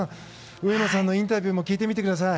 上野さんのインタビューも聞いてみてください。